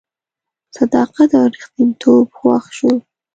صداقت او ریښتینتوب خوښ شو.